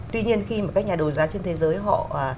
tuy nhiên khi mà các nhà đấu giá trên thế giới họ